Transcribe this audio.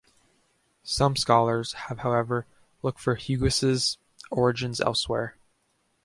Some scholars have however looked for Hugues' origins elsewhere.